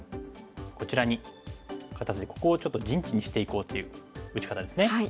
こちらに肩ツイてここをちょっと陣地にしていこうという打ち方ですね。